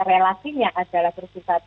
relasinya adalah bersifat